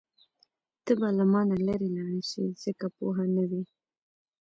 ته به له مانه لرې لاړه شې ځکه پوه نه وې.